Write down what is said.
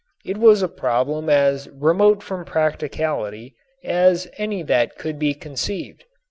It was a problem as remote from practicality as any that could be conceived.